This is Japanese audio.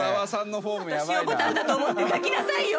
「私をぼたんだと思って抱きなさいよ」